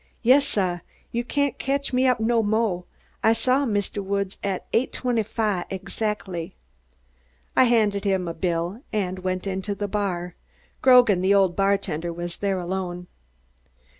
"Yas, suh! You cain't catch me up no mo'. I saw Mistuh Woods at eight twenty fahv exackly." I handed him a bill and went into the bar. Grogan, the old bartender was there alone.